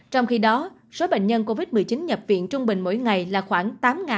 trong khi đó số bệnh nhân covid một mươi chín nhập viện trung bình mỗi ngày là khoảng tám hai trăm linh